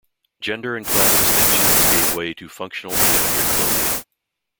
Gender and class distinctions gave way to functional, geometric clothing.